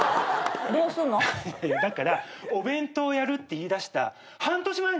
だからお弁当をやるって言いだした半年前に言って。